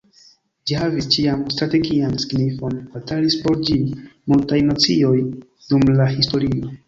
Ĝi havis ĉiam strategian signifon, batalis por ĝi multaj nacioj dum la historio.